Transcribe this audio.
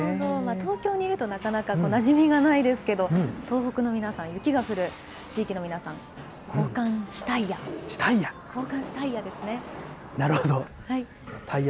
東京にいると、なかなかなじみがないですけど、東北の皆さん、雪が降る地域の皆さん、交換しタイヤ。